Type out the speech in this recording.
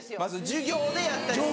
授業でやったりする。